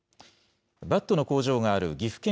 バットの工場がある岐阜県